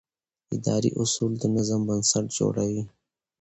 اداري اصول د نظم بنسټ جوړوي.